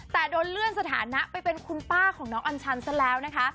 แต่โดนเลื่อนสถานะไปเป็นคุณป้าของน้องอัญชันซะแล้วนะคะ